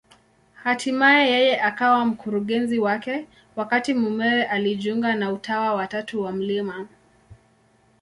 Hatimaye yeye akawa mkurugenzi wake, wakati mumewe alijiunga na Utawa wa Tatu wa Mt.